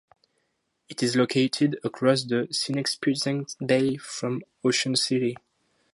It is located across the Sinepuxent Bay from Ocean City.